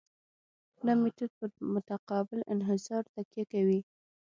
دا میتود په متقابل انحصار تکیه کوي